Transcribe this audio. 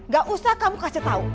gak usah kamu kasih tahu